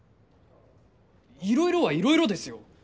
いろいろはいろいろですよ！